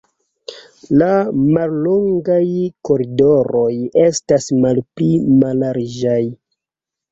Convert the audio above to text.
La mallongaj koridoroj estas malpli mallarĝaj.